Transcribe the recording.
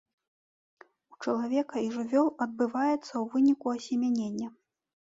У чалавека і жывёл адбываецца ў выніку асемянення.